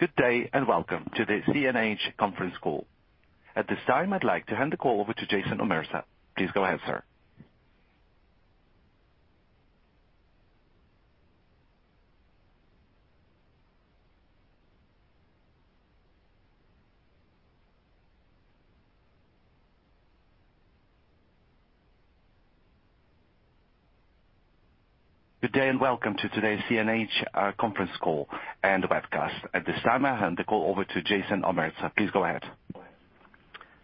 Good day, and welcome to the CNH conference call. At this time, I'd like to hand the call over to Federico Donati. Please go ahead, sir. Good day, and welcome to today's CNH conference call and webcast. At this time, I'll hand the call over to Federico Donati. Please go ahead.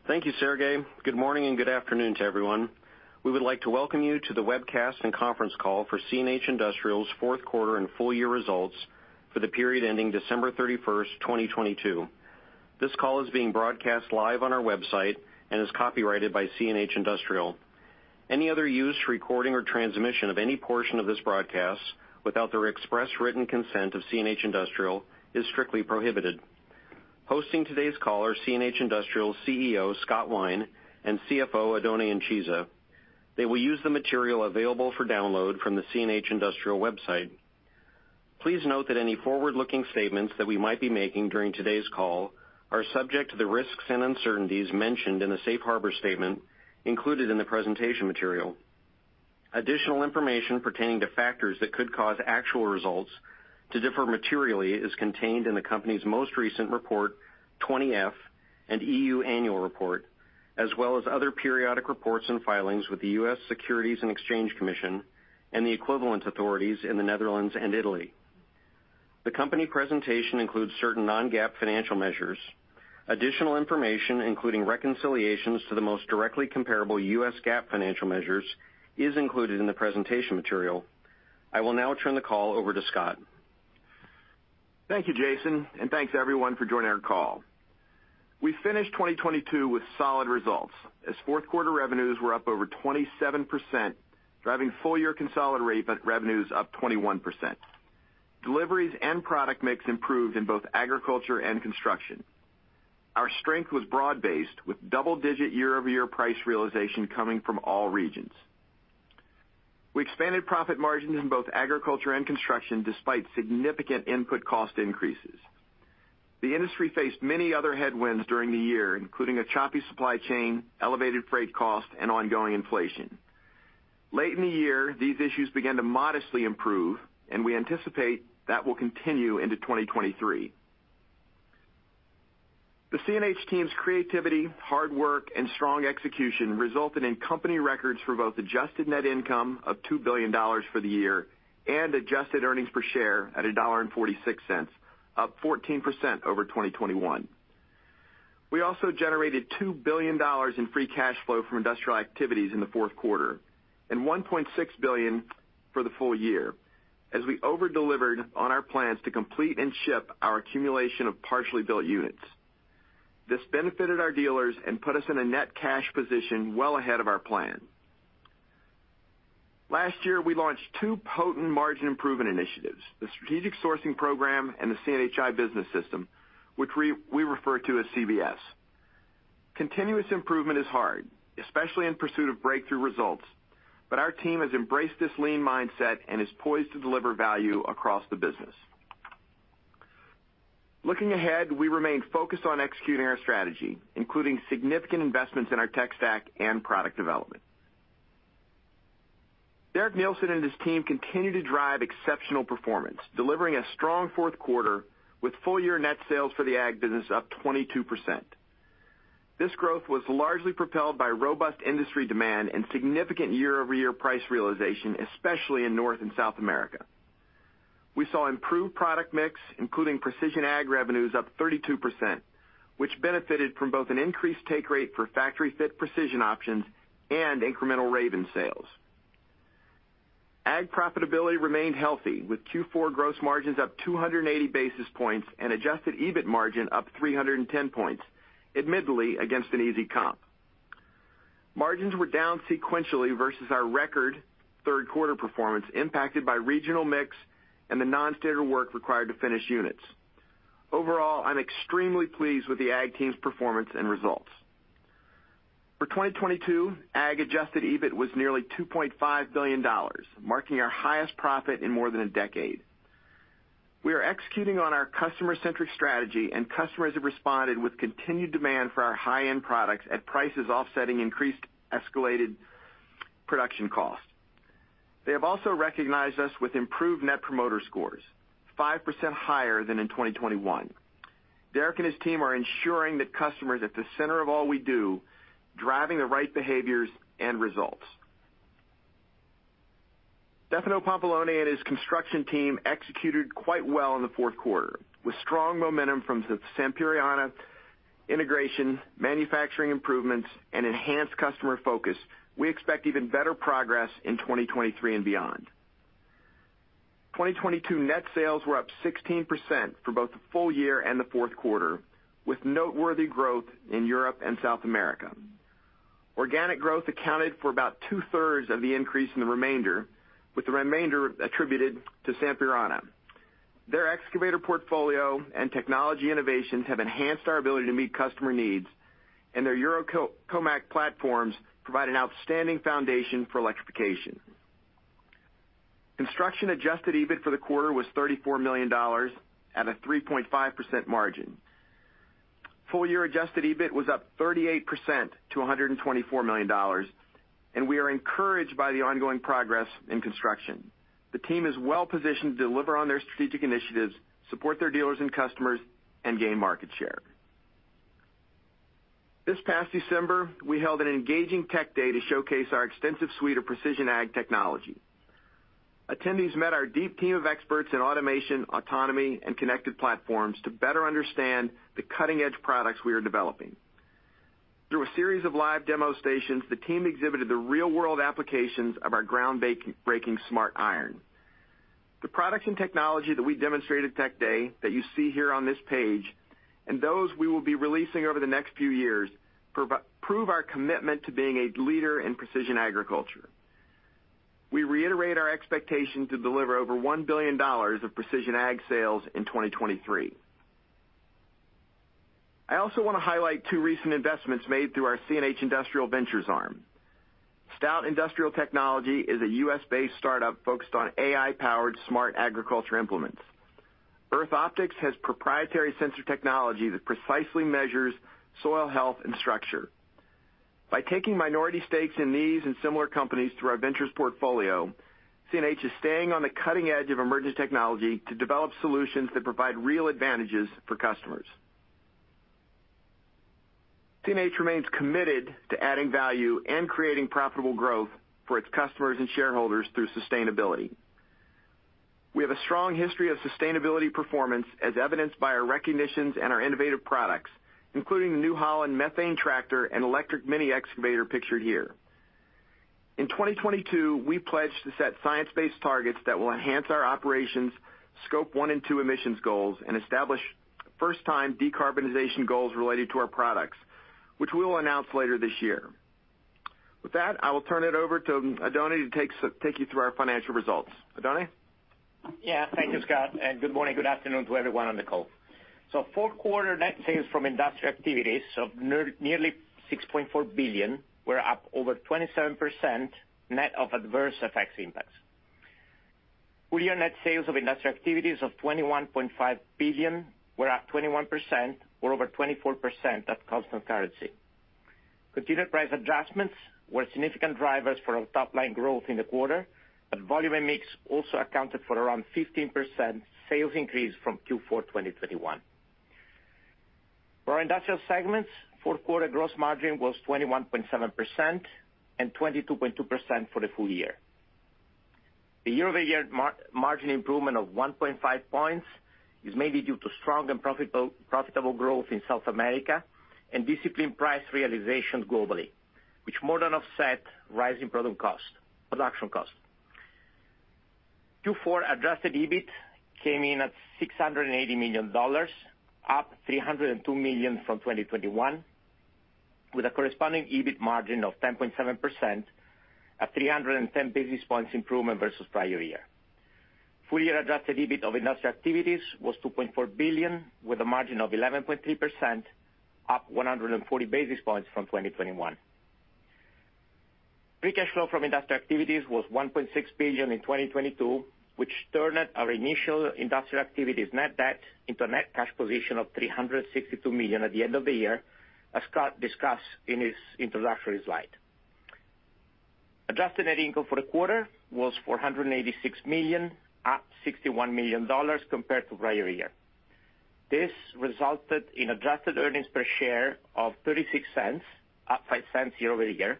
Thank you, Sergei. Good morning, good afternoon to everyone. We would like to welcome you to the webcast and conference call for CNH Industrial's fourth quarter and full year results for the period ending December 31, 2022. This call is being broadcast live on our website and is copyrighted by CNH Industrial. Any other use, recording or transmission of any portion of this broadcast without the express written consent of CNH Industrial is strictly prohibited. Hosting today's call are CNH Industrial CEO, Scott Wine, and CFO, Oddone Incisa. They will use the material available for download from the CNH Industrial website. Please note that any forward-looking statements that we might be making during today's call are subject to the risks and uncertainties mentioned in the safe harbor statement included in the presentation material. Additional information pertaining to factors that could cause actual results to differ materially is contained in the company's most recent report, Form 20-F and EU annual report, as well as other periodic reports and filings with the U.S. Securities and Exchange Commission and the equivalent authorities in the Netherlands and Italy. The company presentation includes certain non-GAAP financial measures. Additional information, including reconciliations to the most directly comparable U.S. GAAP financial measures, is included in the presentation material. I will now turn the call over to Scott. Thank you, Jason, and thanks everyone for joining our call. We finished 2022 with solid results as fourth quarter revenues were up over 27%, driving full year consolidated revenues up 21%. Deliveries and product mix improved in both Agriculture and Construction. Our strength was broad-based with double-digit year-over-year price realization coming from all regions. We expanded profit margins in both Agriculture and Construction despite significant input cost increases. The industry faced many other headwinds during the year, including a choppy supply chain, elevated freight cost and ongoing inflation. Late in the year, these issues began to modestly improve, we anticipate that will continue into 2023. The CNH team's creativity, hard work and strong execution resulted in company records for both Adjusted net income of $2 billion for the year and Adjusted EPS at $1.46, up 14% over 2021. We also generated $2 billion in free cash flow from industrial activities in the fourth quarter and $1.6 billion for the full year as we over-delivered on our plans to complete and ship our accumulation of partially built units. This benefited our dealers and put us in a net cash position well ahead of our plan. Last year, we launched two potent margin improvement initiatives, the strategic sourcing program and the CNH Industrial Business System, which we refer to as CBS. Continuous improvement is hard, especially in pursuit of breakthrough results, but our team has embraced this lean mindset and is poised to deliver value across the business. Looking ahead, we remain focused on executing our strategy, including significant investments in our tech stack and product development. Derek Neilson and his team continue to drive exceptional performance, delivering a strong fourth quarter with full year net sales for the Ag business up 22%. This growth was largely propelled by robust industry demand and significant year-over-year price realization, especially in North and South America. We saw improved product mix, including precision Ag revenues up 32%, which benefited from both an increased take rate for factory fit precision options and incremental Raven sales. AG profitability remained healthy with Q4 gross margins up 280 basis points and Adjusted EBIT margin up 310 points, admittedly against an easy comp. Margins were down sequentially versus our record third-quarter performance impacted by regional mix and the non-standard work required to finish units. Overall, I'm extremely pleased with the AG team's performance and results. For 2022, AG Adjusted EBIT was nearly $2.5 billion, marking our highest profit in more than a decade. Customers have responded with continued demand for our high-end products at prices offsetting increased escalated production costs. They have also recognized us with improved Net Promoter Scores, 5% higher than in 2021. Derek and his team are ensuring that customers at the center of all we do driving the right behaviors and results. Stefano Pampalone and his construction team executed quite well in the fourth quarter. With strong momentum from the Sampierana integration, manufacturing improvements and enhanced customer focus, we expect even better progress in 2023 and beyond. 2022 net sales were up 16% for both the full year and the fourth quarter, with noteworthy growth in Europe and South America. Organic growth accounted for about two-thirds of the increase in the remainder, with the remainder attributed to Sampierana. Their excavator portfolio and technology innovations have enhanced our ability to meet customer needs. Their Eurocomach platforms provide an outstanding foundation for electrification. Construction Adjusted EBIT for the quarter was $34 million at a 3.5% margin. Full year Adjusted EBIT was up 38% to $124 million. We are encouraged by the ongoing progress in construction. The team is well-positioned to deliver on their strategic initiatives, support their dealers and customers, and gain market share. This past December, we held an engaging tech day to showcase our extensive suite of precision ag technology. Attendees met our deep team of experts in automation, autonomy, and connected platforms to better understand the cutting-edge products we are developing. Through a series of live demo stations, the team exhibited the real-world applications of our groundbreaking smart iron. The products and technology that we demonstrated at tech day, that you see here on this page, and those we will be releasing over the next few years prove our commitment to being a leader in precision agriculture. We reiterate our expectation to deliver over $1 billion of precision ag sales in 2023. I also wanna highlight two recent investments made through our CNH Industrial Ventures arm. Stout Industrial Technology is a U.S.-based startup focused on AI-powered smart agriculture implements. EarthOptics has proprietary sensor technology that precisely measures soil health and structure. By taking minority stakes in these and similar companies through our ventures portfolio, CNH is staying on the cutting edge of emerging technology to develop solutions that provide real advantages for customers. CNH remains committed to adding value and creating profitable growth for its customers and shareholders through sustainability. We have a strong history of sustainability performance as evidenced by our recognitions and our innovative products, including the New Holland methane tractor and electric mini excavator pictured here. In 2022, we pledged to set Science Based Targets that will enhance our operations, Scope 1 and 2 emissions goals, and establish first-time decarbonization goals related to our products, which we will announce later this year. With that, I will turn it over to Oddone to take you through our financial results. Oddone? Thank you, Scott Wine, good morning, good afternoon to everyone on the call. Fourth quarter net sales from industrial activities of nearly $6.4 billion were up over 27% net of adverse effects impacts. Full year net sales of industrial activities of $21.5 billion were up 21% or over 24% at constant currency. Continued price adjustments were significant drivers for our top line growth in the quarter, volume and mix also accounted for around 15% sales increase from Q4 2021. For our industrial segments, fourth quarter gross margin was 21.7% and 22.2% for the full year. The year-over-year margin improvement of 1.5 points is mainly due to strong and profitable growth in South America and disciplined price realization globally, which more than offset rising production costs. Q4 Adjusted EBIT came in at $680 million, up $302 million from 2021, with a corresponding EBIT margin of 10.7% at 310 basis points improvement versus prior year. Full year Adjusted EBIT of industrial activities was $2.4 billion with a margin of 11.3%, up 140 basis points from 2021. Free cash flow from industrial activities was $1.6 billion in 2022, which turned our initial industrial activities net debt into a net cash position of $362 million at the end of the year, as Scott discussed in his introductory slide. Adjusted net income for the quarter was $486 million, up $61 million compared to prior year. This resulted in Adjusted EPS of $0.36, up $0.05 year-over-year.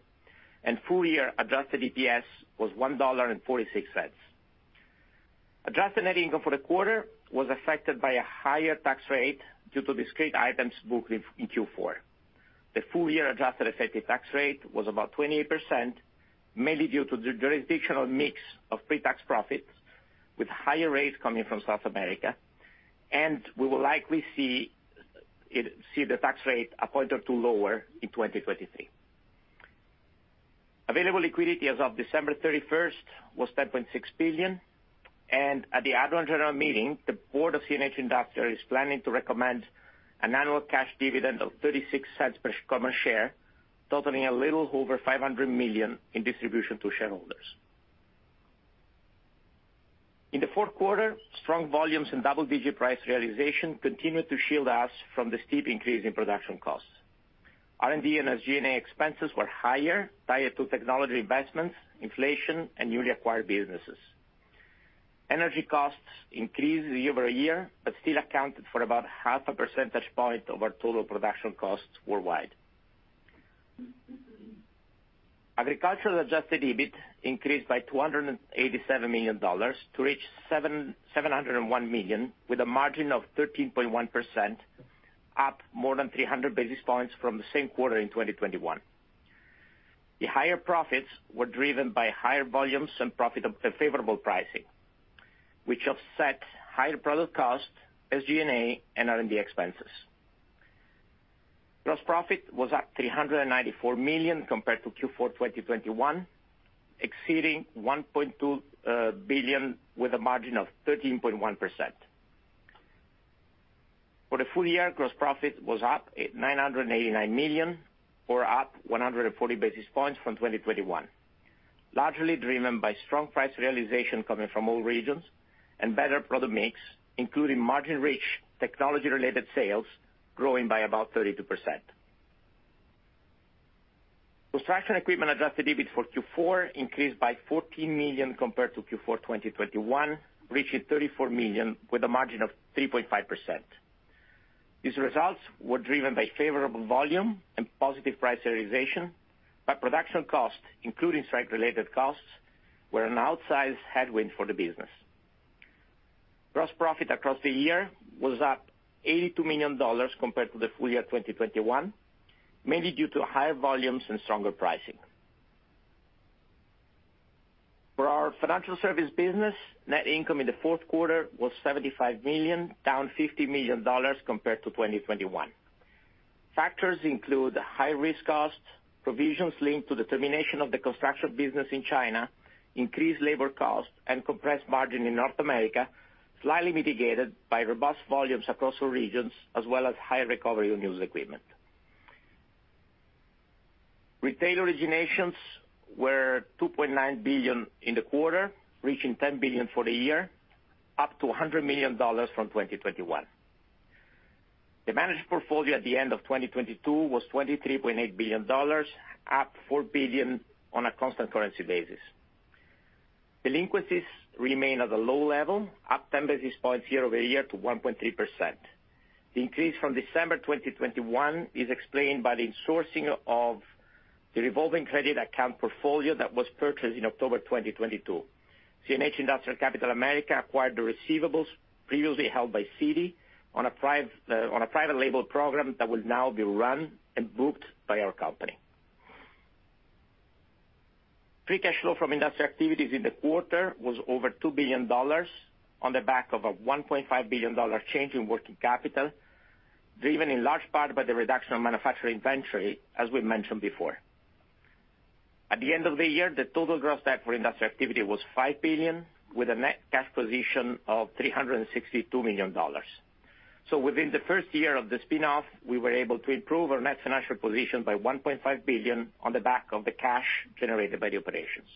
Full-year Adjusted EPS was $1.46. Adjusted net income for the quarter was affected by a higher tax rate due to discrete items booked in Q4. The full-year adjusted effective tax rate was about 28%, mainly due to the jurisdictional mix of pre-tax profits, with higher rates coming from South America. We will likely see the tax rate a point or two lower in 2023. Available liquidity as of December 31 was $10.6 billion. At the annual general meeting, the board of CNH Industrial is planning to recommend an annual cash dividend of $0.36 per common share, totaling a little over $500 million in distribution to shareholders. In the fourth quarter, strong volumes and double-digit price realization continued to shield us from the steep increase in production costs. R&D and SG&A expenses were higher, tied to technology investments, inflation, and newly acquired businesses. Energy costs increased year-over-year, but still accounted for about half a percentage point of our total production costs worldwide. Agricultural Adjusted EBIT increased by $287 million to reach $701 million with a margin of 13.1%, up more than 300 basis points from the same quarter in 2021. The higher profits were driven by higher volumes and favorable pricing, which offset higher product costs, SG&A, and R&D expenses. Gross profit was at $394 million compared to Q4 2021, exceeding $1.2 billion with a margin of 13.1%. For the full year, gross profit was up at $989 million, or up 140 basis points from 2021, largely driven by strong price realization coming from all regions and better product mix, including margin-rich technology-related sales growing by about 32%. Construction equipment Adjusted EBIT for Q4 increased by $14 million compared to Q4 2021, reaching $34 million with a margin of 3.5%. These results were driven by favorable volume and positive price realization, production costs, including strike-related costs, were an outsized headwind for the business. Gross profit across the year was up $82 million compared to the full year 2021, mainly due to higher volumes and stronger pricing. For our financial service business, net income in the fourth quarter was $75 million, down $50 million compared to 2021. Factors include high risk costs, provisions linked to the termination of the construction business in China, increased labor costs, and compressed margin in North America, slightly mitigated by robust volumes across all regions, as well as high recovery of used equipment. Retail originations were $2.9 billion in the quarter, reaching $10 billion for the year, up to $100 million from 2021. The managed portfolio at the end of 2022 was $23.8 billion, up $4 billion on a constant currency basis. Delinquencies remain at a low level, up 10 basis points year-over-year to 1.3%. The increase from December 2021 is explained by the sourcing of the revolving credit account portfolio that was purchased in October 2022. CNH Industrial Capital America acquired the receivables previously held by Citi on a private label program that will now be run and booked by our company. Free cash flow from Industry Activities in the quarter was over $2 billion on the back of a $1.5 billion change in working capital, driven in large part by the reduction of manufacturing inventory, as we mentioned before. At the end of the year, the total gross debt for Industry Activity was $5 billion, with a net cash position of $362 million. Within the first year of the spin-off, we were able to improve our net financial position by $1.5 billion on the back of the cash generated by the operations.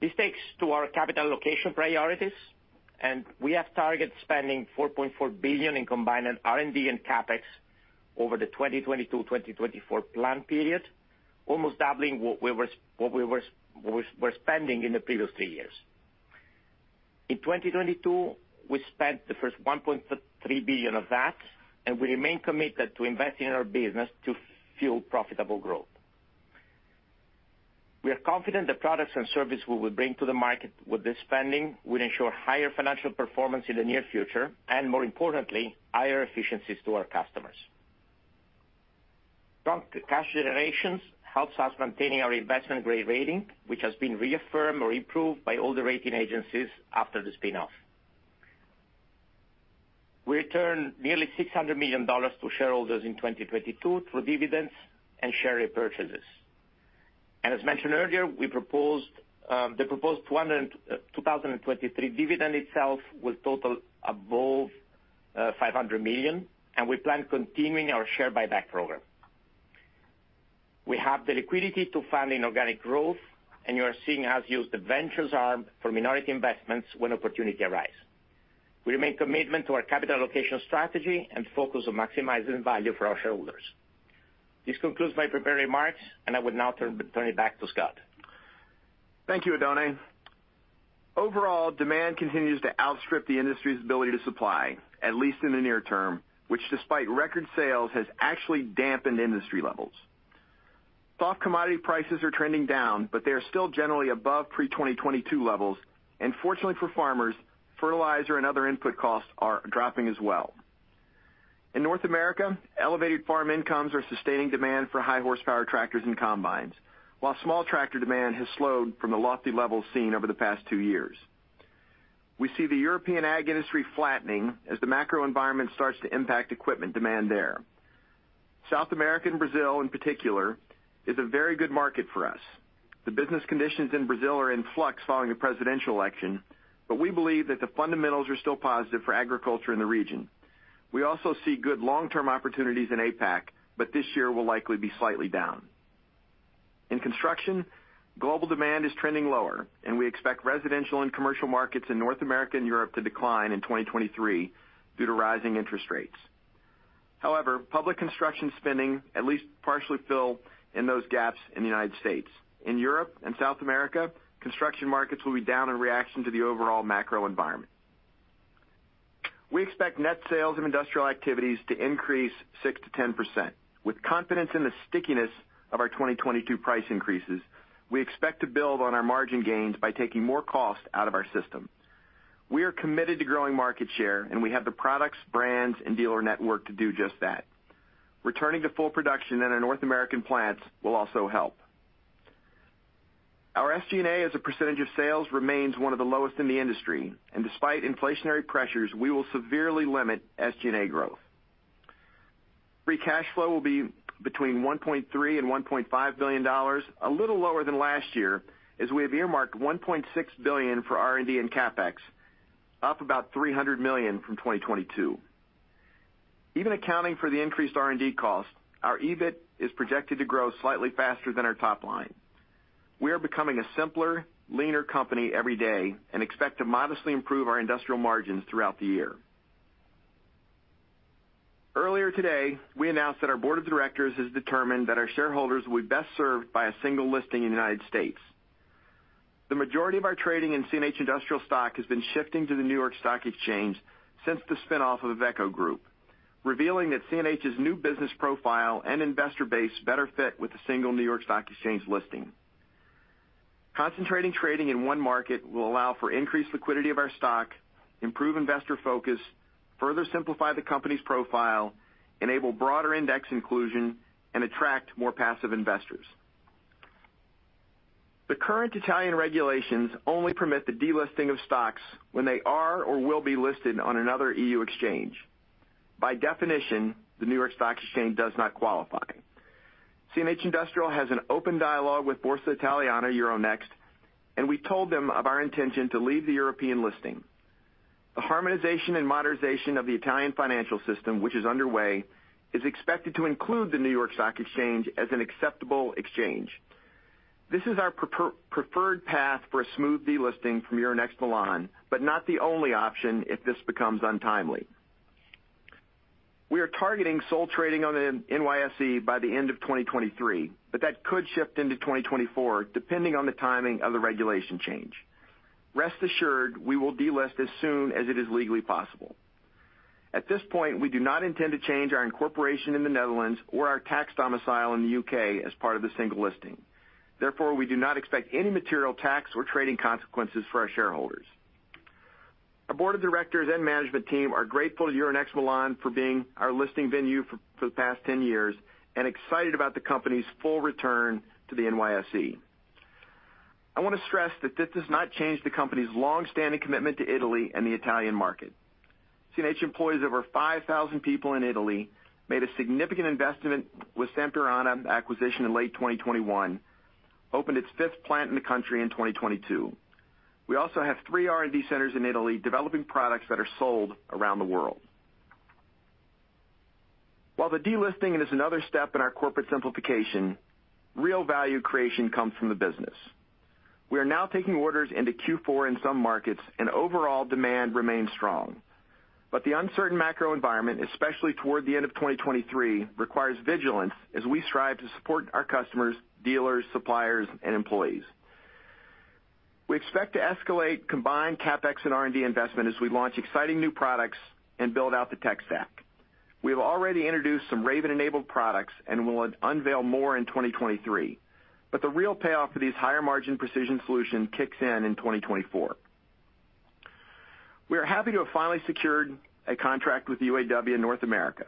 This takes to our capital allocation priorities, and we have target spending $4.4 billion in combined R&D and CapEx over the 2022, 2024 plan period, almost doubling what we were spending in the previous three years. In 2022, we spent the first $1.3 billion of that, and we remain committed to investing in our business to fuel profitable growth. We are confident the products and services we will bring to the market with this spending will ensure higher financial performance in the near future, and more importantly, higher efficiencies to our customers. Strong cash generations helps us maintaining our investment-grade rating, which has been reaffirmed or improved by all the rating agencies after the spin-off. We returned nearly $600 million to shareholders in 2022 through dividends and share repurchases. As mentioned earlier, we proposed, the proposed 2023 dividend itself will total above $500 million, and we plan continuing our share buyback program. We have the liquidity to fund inorganic growth, and you are seeing us use the Ventures arm for minority investments when opportunity arise. We remain committed to our capital allocation strategy and focus on maximizing value for our shareholders. This concludes my prepared remarks, and I would now turn it back to Scott. Thank you, Oddone. Overall, demand continues to outstrip the industry's ability to supply, at least in the near term, which despite record sales, has actually dampened industry levels. Soft commodity prices are trending down, but they are still generally above pre-2022 levels. Fortunately for farmers, fertilizer and other input costs are dropping as well. In North America, elevated farm incomes are sustaining demand for high horsepower tractors and combines, while small tractor demand has slowed from the lofty levels seen over the past two years. We see the European Ag industry flattening as the macro environment starts to impact equipment demand there. South America and Brazil in particular is a very good market for us. The business conditions in Brazil are in flux following a presidential election, we believe that the fundamentals are still positive for agriculture in the region. We also see good long-term opportunities in APAC. This year will likely be slightly down. In construction, global demand is trending lower. We expect residential and commercial markets in North America and Europe to decline in 2023 due to rising interest rates. However, public construction spending at least partially fill in those gaps in the United States. In Europe and South America, construction markets will be down in reaction to the overall macro environment. We expect net sales of Industrial Activities to increase 6%-10%. With confidence in the stickiness of our 2022 price increases, we expect to build on our margin gains by taking more cost out of our system. We are committed to growing market share. We have the products, brands, and dealer network to do just that. Returning to full production in our North American plants will also help. Our SG&A as a % of sales remains one of the lowest in the industry. Despite inflationary pressures, we will severely limit SG&A growth. Free cash flow will be between $1.3 billion and $1.5 billion, a little lower than last year, as we have earmarked $1.6 billion for R&D and CapEx, up about $300 million from 2022. Even accounting for the increased R&D costs, our EBIT is projected to grow slightly faster than our top line. We are becoming a simpler, leaner company every day and expect to modestly improve our industrial margins throughout the year. Earlier today, we announced that our board of directors has determined that our shareholders will be best served by a single listing in the U.S. The majority of our trading in CNH Industrial stock has been shifting to the New York Stock Exchange since the spin-off of the Iveco Group, revealing that CNH's new business profile and investor base better fit with a single New York Stock Exchange listing. Concentrating trading in one market will allow for increased liquidity of our stock, improve investor focus, further simplify the company's profile, enable broader index inclusion, and attract more passive investors. The current Italian regulations only permit the delisting of stocks when they are or will be listed on another EU exchange. By definition, the New York Stock Exchange does not qualify. CNH Industrial has an open dialogue with Borsa Italiana Euronext, and we told them of our intention to leave the European listing. The harmonization and modernization of the Italian financial system, which is underway, is expected to include the New York Stock Exchange as an acceptable exchange. This is our preferred path for a smooth delisting from Euronext Milan, but not the only option if this becomes untimely. We are targeting sole trading on the NYSE by the end of 2023, but that could shift into 2024, depending on the timing of the regulation change. Rest assured, we will delist as soon as it is legally possible. At this point, we do not intend to change our incorporation in the Netherlands or our tax domicile in the UK as part of the single listing. Therefore, we do not expect any material tax or trading consequences for our shareholders. Our board of directors and management team are grateful to Euronext Milan for being our listing venue for the past 10 years and excited about the company's full return to the NYSE. I wanna stress that this does not change the company's long-standing commitment to Italy and the Italian market. CNH employs over 5,000 people in Italy, made a significant investment with Sampierana acquisition in late 2021, opened its fifth plant in the country in 2022. We also have three R&D centers in Italy, developing products that are sold around the world. While the delisting is another step in our corporate simplification, real value creation comes from the business. We are now taking orders into Q4 in some markets, and overall demand remains strong. The uncertain macro environment, especially toward the end of 2023, requires vigilance as we strive to support our customers, dealers, suppliers and employees. We expect to escalate combined CapEx and R&D investment as we launch exciting new products and build out the tech stack. We have already introduced some Raven-enabled products and will unveil more in 2023, but the real payoff for these higher-margin precision solution kicks in 2024. We are happy to have finally secured a contract with the UAW in North America.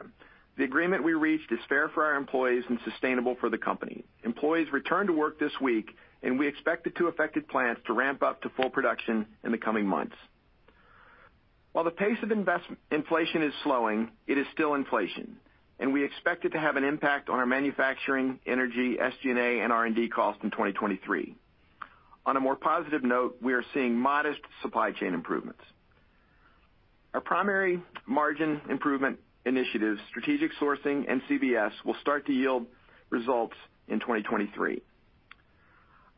The agreement we reached is fair for our employees and sustainable for the company. Employees returned to work this week, and we expect the two affected plants to ramp up to full production in the coming months. While the pace of inflation is slowing, it is still inflation, and we expect it to have an impact on our manufacturing, energy, SG&A, and R&D costs in 2023. On a more positive note, we are seeing modest supply chain improvements. Our primary margin improvement initiatives, strategic sourcing and CBS, will start to yield results in 2023.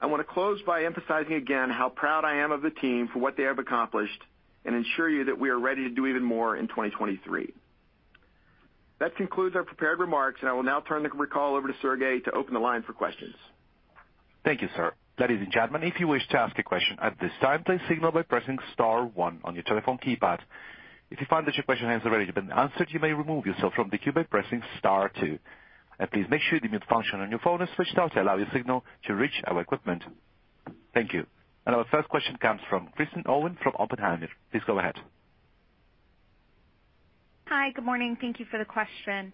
I wanna close by emphasizing again how proud I am of the team for what they have accomplished and ensure you that we are ready to do even more in 2023. That concludes our prepared remarks, and I will now turn the call over to Serge to open the line for questions. Thank you, sir. Ladies and gentlemen, if you wish to ask a question at this time, please signal by pressing star one on your telephone keypad. If you find that your question has already been answered, you may remove yourself from the queue by pressing star two. Please make sure the mute function on your phone is switched off to allow your signal to reach our equipment. Thank you. Our first question comes from Kristen Owen from Oppenheimer. Please go ahead. Hi. Good morning. Thank you for the question.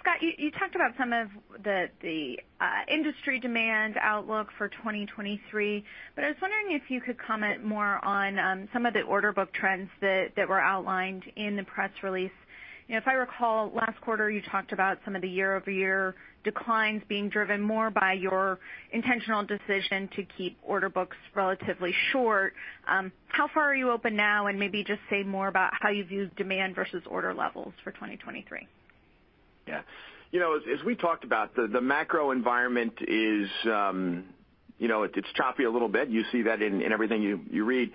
Scott, you talked about some of the industry demand outlook for 2023, but I was wondering if you could comment more on, some of the order book trends that were outlined in the press release. You know, if I recall, last quarter you talked about some of the year-over-year declines being driven more by your intentional decision to keep order books relatively short. How far are you open now? Maybe just say more about how you view demand versus order levels for 2023. Yeah. You know, as we talked about, the macro environment is, you know, it's choppy a little bit. You see that in everything you read.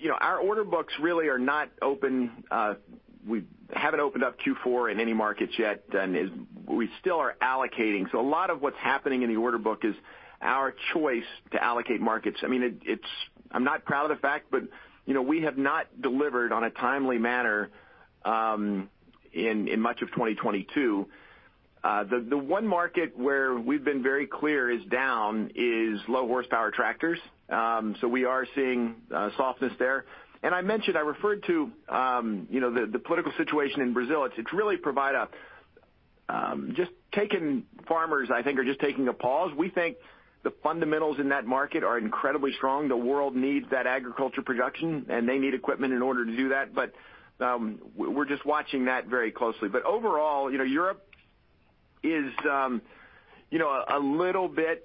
You know, our order books really are not open. We haven't opened up Q4 in any markets yet, and we still are allocating. A lot of what's happening in the order book is our choice to allocate markets. I mean, I'm not proud of the fact, you know, we have not delivered on a timely manner in much of 2022. The, the one market where we've been very clear is down is low horsepower tractors. We are seeing softness there. I mentioned, I referred to, you know, the political situation in Brazil. It's really just taking farmers, I think, are just taking a pause. We think the fundamentals in that market are incredibly strong. The world needs that agriculture production, and they need equipment in order to do that. We're just watching that very closely. Overall, you know, Europe is, you know, a little bit,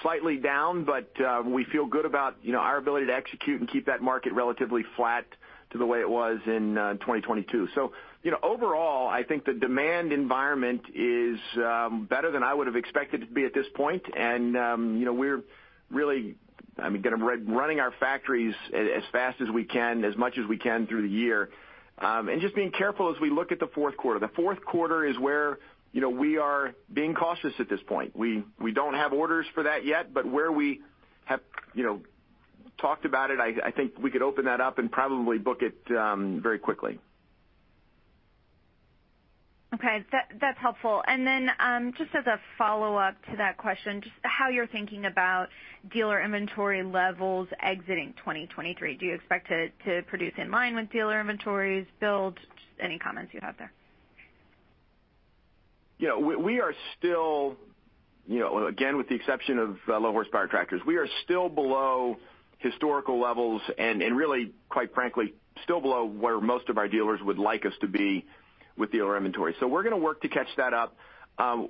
slightly down, but we feel good about, you know, our ability to execute and keep that market relatively flat to the way it was in 2022. You know, overall, I think the demand environment is better than I would have expected to be at this point. You know, we're really, I mean, gonna re-running our factories as fast as we can, as much as we can through the year. Just being careful as we look at the fourth quarter. The fourth quarter is where, you know, we are being cautious at this point. We don't have orders for that yet, but where we have, you know, talked about it, I think we could open that up and probably book it, very quickly. Okay. That's helpful. Just as a follow-up to that question, just how you're thinking about dealer inventory levels exiting 2023. Do you expect to produce in line with dealer inventories build? Just any comments you have there? Yeah. We are still, you know, again, with the exception of low horsepower tractors. We are still below historical levels, and really, quite frankly, still below where most of our dealers would like us to be with dealer inventory. We're gonna work to catch that up.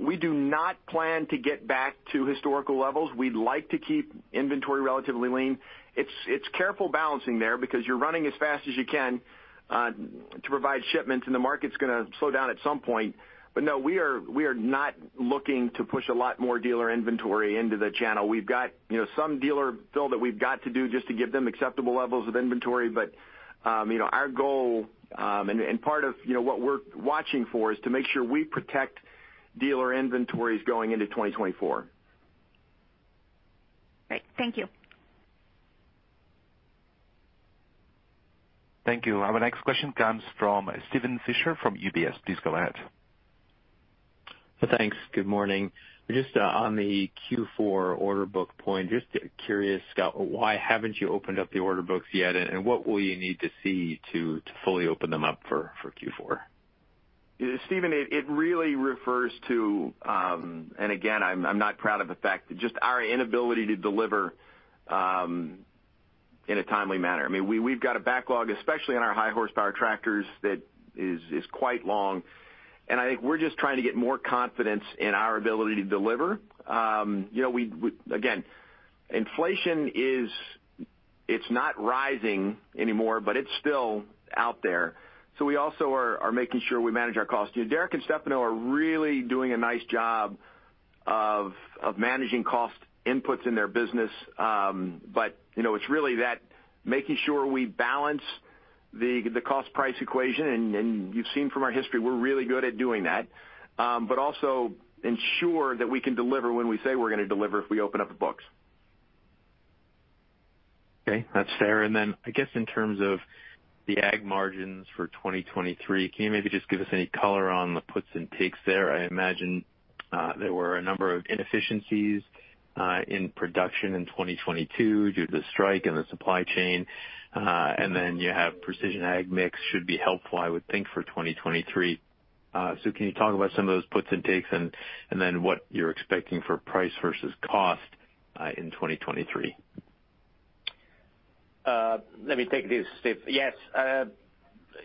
We do not plan to get back to historical levels. We'd like to keep inventory relatively lean. It's careful balancing there because you're running as fast as you can, to provide shipments, and the market's gonna slow down at some point. No, we are not looking to push a lot more dealer inventory into the channel. We've got, you know, some dealer build that we've got to do just to give them acceptable levels of inventory. you know, our goal, and part of, you know, what we're watching for is to make sure we protect dealer inventories going into 2024. Great. Thank you. Thank you. Our next question comes from Steven Fisher from UBS. Please go ahead. Thanks. Good morning. Just on the Q4 order book point, just curious, Scott, why haven't you opened up the order books yet? What will you need to see to fully open them up for Q4? Steven, it really refers to, and again, I'm not proud of the fact, just our inability to deliver, in a timely manner. I mean, we've got a backlog, especially on our high horsepower tractors that is quite long. I think we're just trying to get more confidence in our ability to deliver. You know, we again, inflation is not rising anymore, but it's still out there. We also are making sure we manage our costs. Derek and Stefano are really doing a nice job of managing cost inputs in their business. You know, it's really that making sure we balance the cost price equation. You've seen from our history we're really good at doing that. Also ensure that we can deliver when we say we're gonna deliver if we open up the books. Okay, that's fair. I guess in terms of the ag margins for 2023, can you maybe just give us any color on the puts and takes there? I imagine there were a number of inefficiencies in production in 2022 due to the strike and the supply chain. You have precision ag mix should be helpful, I would think, for 2023. Can you talk about some of those puts and takes and then what you're expecting for price versus cost in 2023? Let me take this, Steve. Yes,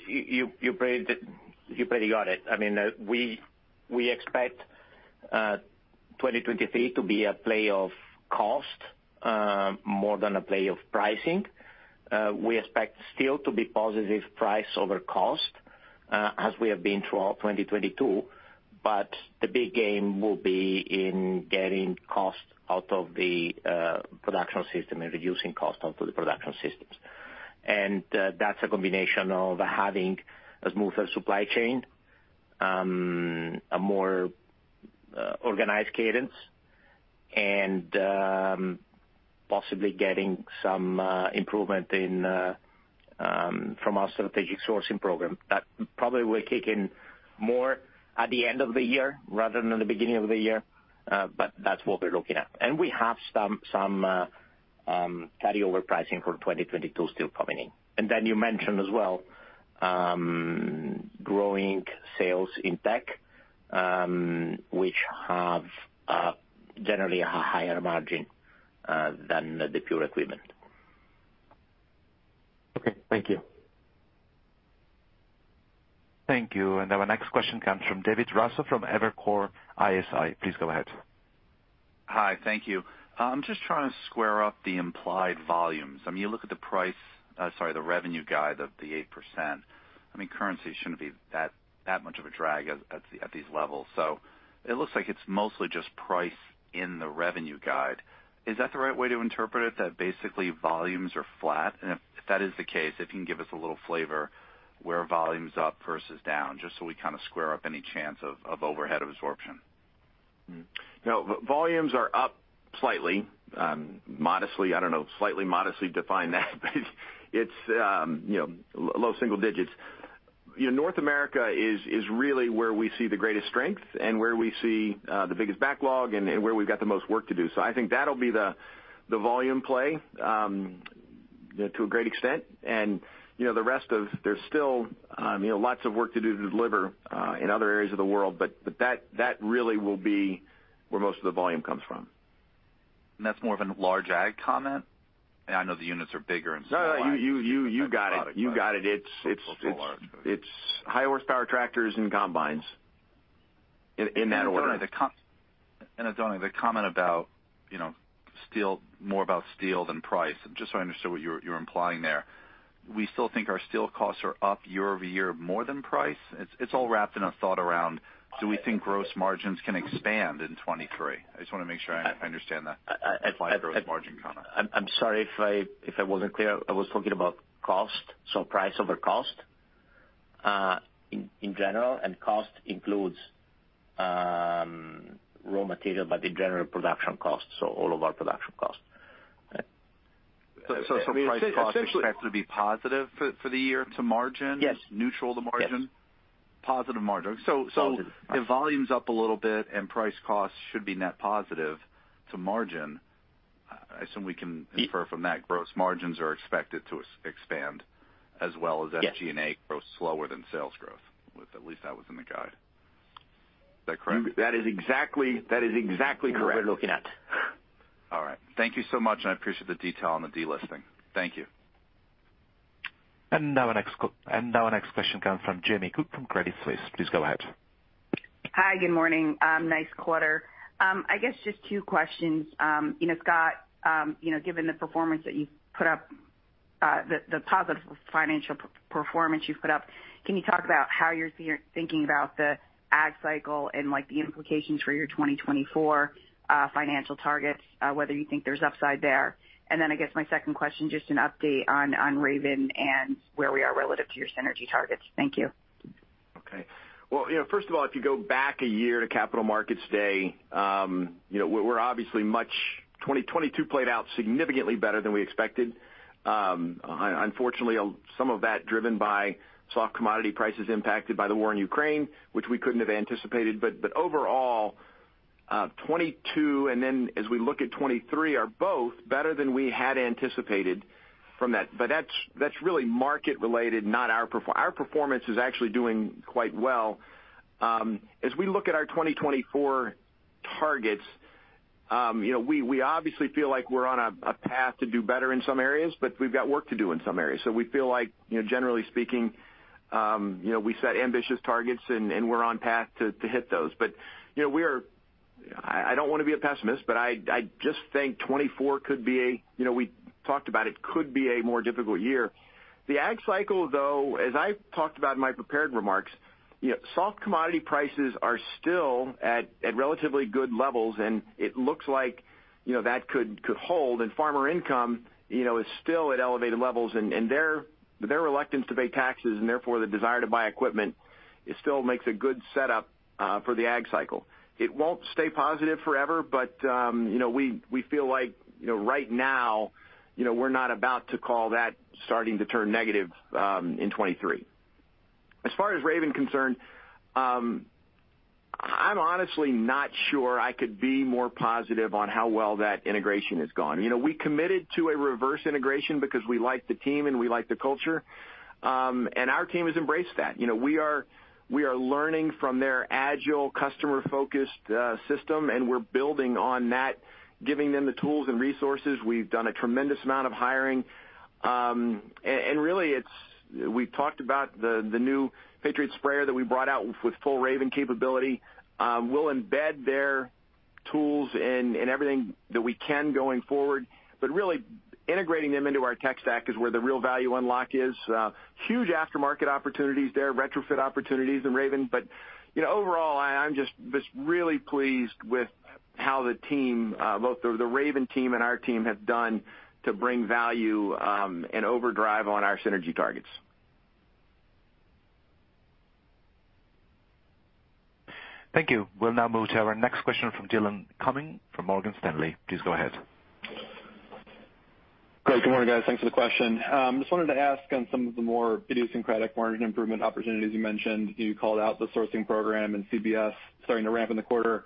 you pretty got it. I mean, we expect 2023 to be a play of cost, more than a play of pricing. We expect still to be positive price over cost, as we have been throughout 2022, but the big game will be in getting cost out of the production system and reducing cost onto the production systems. That's a combination of having a smoother supply chain, a more organized cadence, and possibly getting some improvement from our strategic sourcing program. That probably will kick in more at the end of the year rather than the beginning of the year. That's what we're looking at. We have some carryover pricing for 2022 still coming in. You mentioned as well, growing sales in tech, which have generally a higher margin than the pure equipment. Okay. Thank you. Thank you. Our next question comes from David Raso from Evercore ISI. Please go ahead. Hi. Thank you. I'm just trying to square up the implied volumes. I mean, you look at the price, sorry, the revenue guide of the 8%. I mean, currency shouldn't be that much of a drag at these levels. It looks like it's mostly just price in the revenue guide. Is that the right way to interpret it, that basically volumes are flat? If that is the case, if you can give us a little flavor where volume's up versus down, just so we kind of square up any chance of overhead absorption. Volumes are up slightly, modestly. I don't know, slightly modestly define that, but it's, you know, low single digits. You know, North America is really where we see the greatest strength and where we see the biggest backlog and where we've got the most work to do. I think that'll be the volume play. To a great extent. You know, the rest of there's still lots of work to do to deliver in other areas of the world. But that really will be where most of the volume comes from. That's more of a large ag comment? I know the units are bigger in scale. No, you got it. You got it. It's high horsepower tractors and combines in that order. Adoni, the comment about, you know, steel, more about steel than price. Just so I understand what you're implying there. We still think our steel costs are up year-over-year more than price. It's all wrapped in a thought around, do we think gross margins can expand in 2023? I just wanna make sure I understand. I- gross margin comment. I'm sorry if I wasn't clear. I was talking about cost, so price over cost, in general. Cost includes raw material, but the general production cost, so all of our production costs. Price cost expected to be positive for the year to margin? Yes. Neutral to margin? Yes. Positive margin. Positive. If volume's up a little bit and price cost should be net positive to margin, I assume we can infer from that gross margins are expected to expand as well as. Yes. SG&A grow slower than sales growth, with at least that was in the guide. Is that correct? That is exactly correct. What we're looking at. All right. Thank you so much. I appreciate the detail on the delisting. Thank you. Now our next question comes from Jamie Cook from Credit Suisse. Please go ahead. Hi, good morning. Nice quarter. I guess just two questions. You know, Scott, you know, given the performance that you've put up, the positive financial performance you've put up, can you talk about how you're thinking about the ag cycle and, like, the implications for your 2024 financial targets, whether you think there's upside there? I guess my second question, just an update on Raven and where we are relative to your synergy targets. Thank you. Okay. Well, you know, first of all, if you go back a year to Capital Markets Day, you know, we're obviously much. 2022 played out significantly better than we expected. Unfortunately some of that driven by soft commodity prices impacted by the war in Ukraine, which we couldn't have anticipated. Overall, 2022 and then as we look at 2023, are both better than we had anticipated from that. That's really market related. Our performance is actually doing quite well. As we look at our 2024 targets, you know, we obviously feel like we're on a path to do better in some areas, but we've got work to do in some areas. We feel like, you know, generally speaking, you know, we set ambitious targets and we're on path to hit those. You know, we are. I don't wanna be a pessimist, but I just think 2024 could be, you know, we talked about it, could be a more difficult year. The ag cycle, though, as I talked about in my prepared remarks, you know, soft commodity prices are still at relatively good levels and it looks like, you know, that could hold and farmer income, you know, is still at elevated levels and their reluctance to pay taxes and therefore the desire to buy equipment still makes a good setup for the ag cycle. It won't stay positive forever, you know, we feel like, you know, right now, you know, we're not about to call that starting to turn negative in 2023. As far as Raven concerned, I'm honestly not sure I could be more positive on how well that integration has gone. You know, we committed to a reverse integration because we like the team and we like the culture. Our team has embraced that. You know, we are, we are learning from their agile, customer-focused system, and we're building on that, giving them the tools and resources. We've done a tremendous amount of hiring. Really it's, we've talked about the new Patriot sprayer that we brought out with full Raven capability. We'll embed their tools in everything that we can going forward. Really integrating them into our tech stack is where the real value unlock is. Huge aftermarket opportunities there, retrofit opportunities in Raven. You know, overall I'm just really pleased with how the team, both the Raven team and our team have done to bring value, and overdrive on our synergy targets. Thank you. We'll now move to our next question from Dillon Cumming from Morgan Stanley. Please go ahead. Great. Good morning, guys. Thanks for the question. Just wanted to ask on some of the more idiosyncratic margin improvement opportunities you mentioned. You called out the sourcing program and CBS starting to ramp in the quarter.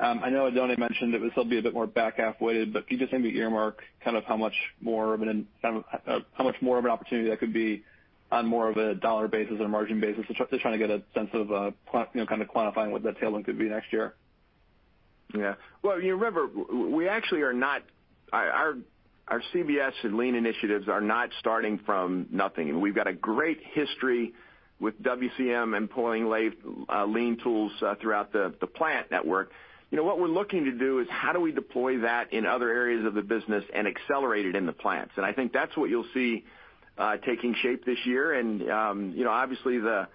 I know Oddone mentioned it would still be a bit more back half-weighted, but can you just maybe earmark kind of how much more of an opportunity that could be on more of a dollar basis or margin basis? Just trying to get a sense of, you know, kind of quantifying what that tailwind could be next year. Yeah. Well, you remember, we actually are not. Our CBS and lean initiatives are not starting from nothing. We've got a great history with WCM employing lean tools throughout the plant network. You know, what we're looking to do is how do we deploy that in other areas of the business and accelerate it in the plants? I think that's what you'll see taking shape this year. You know, obviously the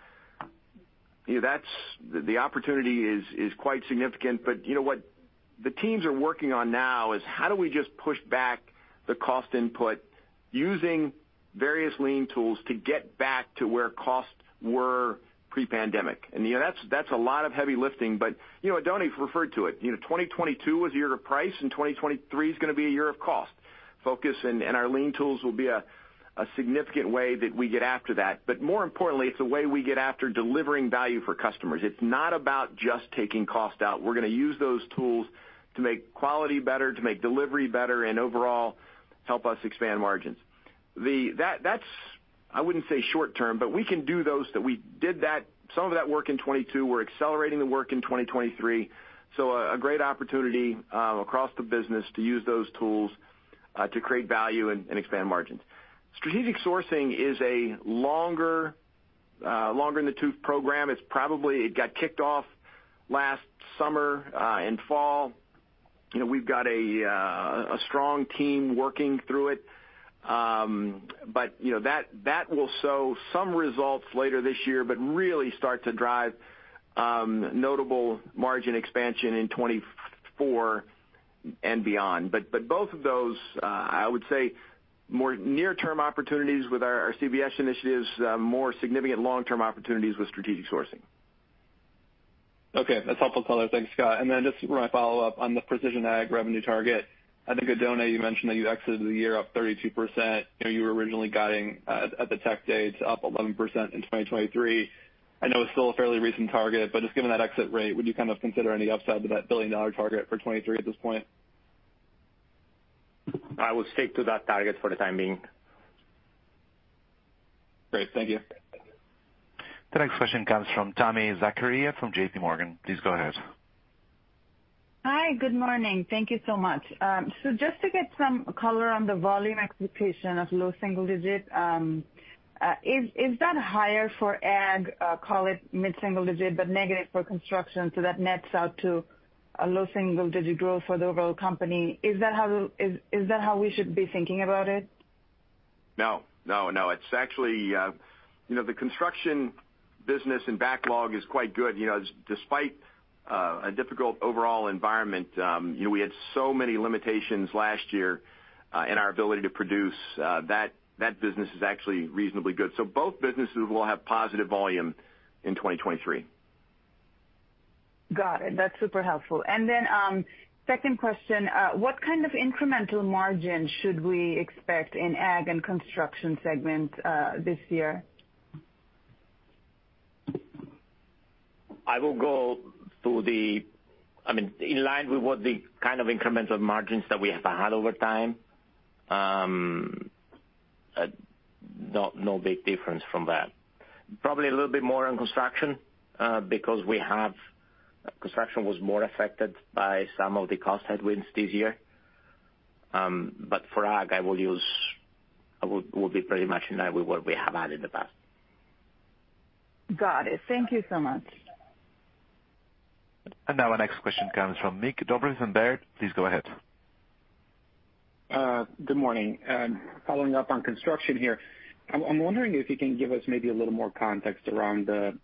opportunity is quite significant. You know what the teams are working on now is how do we just push back the cost input using various lean tools to get back to where costs were pre-pandemic? You know, that's a lot of heavy lifting. You know, Oddone referred to it. You know, 2022 was a year to price and 2023 is gonna be a year of cost. Focus and our lean tools will be a significant way that we get after that. But more importantly, it's a way we get after delivering value for customers. It's not about just taking cost out. We're gonna use those tools to make quality better, to make delivery better, and overall help us expand margins. That, that's, I wouldn't say short term, but we can do those that we did some of that work in 2022, we're accelerating the work in 2023. A great opportunity across the business to use those tools to create value and expand margins. Strategic sourcing is a longer in the tooth program. It's probably got kicked off last summer and fall. You know, we've got a strong team working through it. You know, that will show some results later this year, but really start to drive notable margin expansion in 2024 and beyond. Both of those, I would say more near-term opportunities with our CBS initiatives, more significant long-term opportunities with strategic sourcing. Okay. That's helpful color. Thanks, Scott. Just my follow-up on the precision ag revenue target. I think at Donay, you mentioned that you exited the year up 32%. You know, you were originally guiding at the tech day to up 11% in 2023. I know it's still a fairly recent target, but just given that exit rate, would you kind of consider any upside to that billion-dollar target for 2023 at this point? I will stick to that target for the time being. Great. Thank you. The next question comes from Tami Zakaria from J.P. Morgan. Please go ahead. Hi. Good morning. Thank you so much. Just to get some color on the volume expectation of low single digit, is that higher for Ag, call it mid-single digit, but negative for construction, so that nets out to a low single-digit growth for the overall company? Is that how we should be thinking about it? No, no. It's actually, you know, the construction business and backlog is quite good. You know, despite, a difficult overall environment, you know, we had so many limitations last year, in our ability to produce, that business is actually reasonably good. Both businesses will have positive volume in 2023. Got it. That's super helpful. second question, what kind of incremental margin should we expect in ag and construction segment, this year? I mean, in line with what the kind of incremental margins that we have had over time, no big difference from that. Probably a little bit more on construction, because construction was more affected by some of the cost headwinds this year. But for ag, I will be pretty much in line with what we have had in the past. Got it. Thank you so much. Now our next question comes from Mig Dobre from Baird. Please go ahead. Good morning. Following up on construction here, I'm wondering if you can give us maybe a little more context around the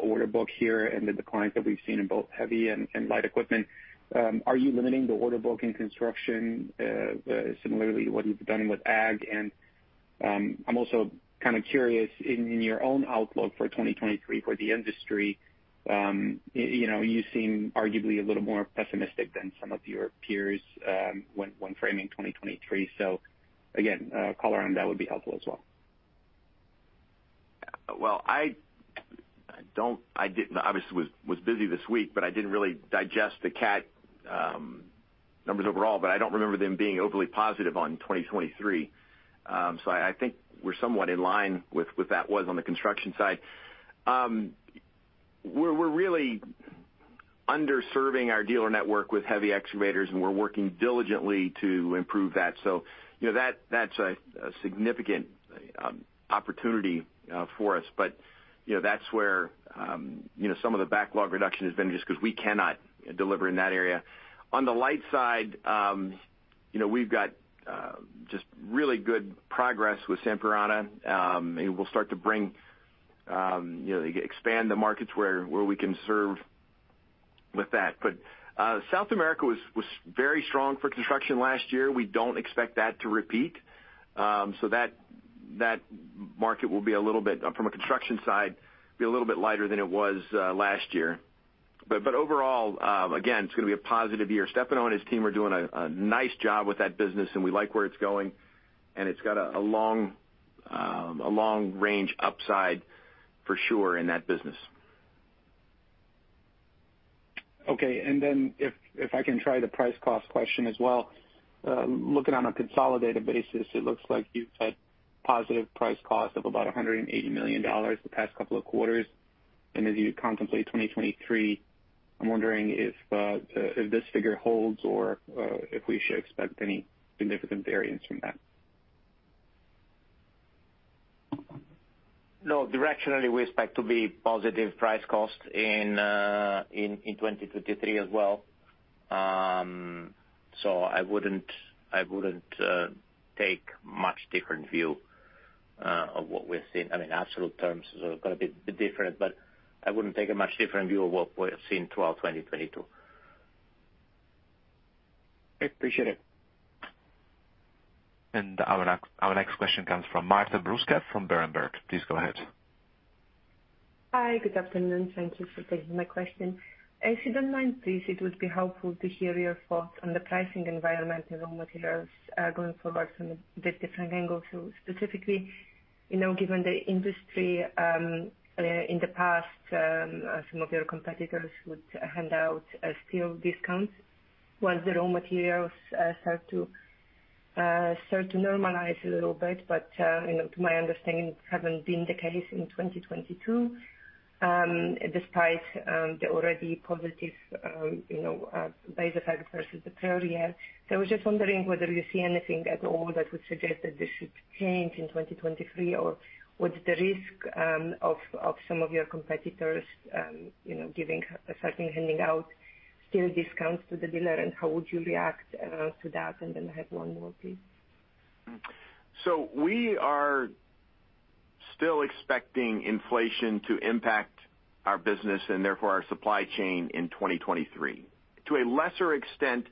order book here and the declines that we've seen in both heavy and light equipment. Are you limiting the order book in construction, similarly to what you've done with ag? I'm also kind of curious in your own outlook for 2023 for the industry, you know, you seem arguably a little more pessimistic than some of your peers, when framing 2023. Again, color on that would be helpful as well. I didn't obviously was busy this week, but I didn't really digest the Cat numbers overall, but I don't remember them being overly positive on 2023. I think we're somewhat in line with that was on the construction side. We're really underserving our dealer network with heavy excavators, and we're working diligently to improve that. You know, that's a significant opportunity for us. You know, that's where, you know, some of the backlog reduction has been just 'cause we cannot deliver in that area. On the light side, you know, we've got just really good progress with Sampierana. We'll start to bring, you know, expand the markets where we can serve with that. South America was very strong for construction last year. We don't expect that to repeat. That, that market will be a little bit, from a construction side, be a little bit lighter than it was last year. Overall, again, it's gonna be a positive year. Stefano and his team are doing a nice job with that business, and we like where it's going, and it's got a long, a long range upside for sure in that business. Okay. If, if I can try the price cost question as well. Looking on a consolidated basis, it looks like you've had positive price cost of about $180 million the past couple of quarters. As you contemplate 2023, I'm wondering if this figure holds or if we should expect any significant variance from that. No, directionally, we expect to be positive price cost in 2023 as well. I wouldn't take much different view of what we're seeing. I mean, absolute terms is gonna be different, but I wouldn't take a much different view of what we're seeing throughout 2022. Appreciate it. Our next question comes from Marta Bruska from Berenberg. Please go ahead. Hi. Good afternoon. Thank you for taking my question. If you don't mind, please, it would be helpful to hear your thoughts on the pricing environment and raw materials going forward from a bit different angle. Specifically, you know, given the industry in the past, some of your competitors would hand out steel discounts while the raw materials start to normalize a little bit, you know, to my understanding, haven't been the case in 2022 despite the already positive, you know, base effect versus the prior year. I was just wondering whether you see anything at all that would suggest that this should change in 2023, or what's the risk of some of your competitors, you know, handing out steel discounts to the dealer, and how would you react to that? I have one more, please. We are still expecting inflation to impact our business and therefore our supply chain in 2023 to a lesser extent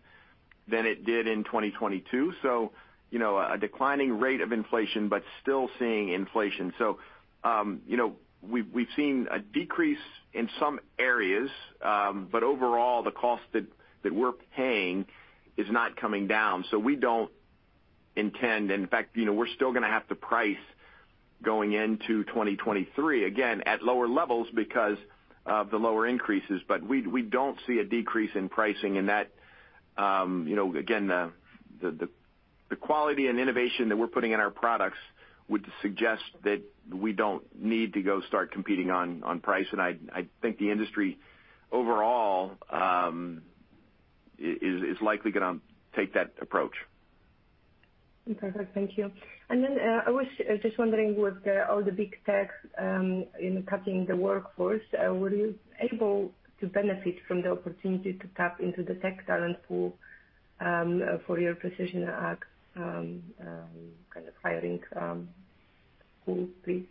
than it did in 2022. A declining rate of inflation but still seeing inflation. We've seen a decrease in some areas, but overall the cost that we're paying is not coming down. We don't intend and in fact, you know, we're still gonna have to price going into 2023 again at lower levels because of the lower increases. We don't see a decrease in pricing and that, you know, again, the quality and innovation that we're putting in our products would suggest that we don't need to go start competing on price. I think the industry overall is likely gonna take that approach. Perfect. Thank you. Then, I was just wondering, with all the big tech, you know, cutting the workforce, were you able to benefit from the opportunity to tap into the tech talent pool, for your precision ag, kind of hiring, pool, please?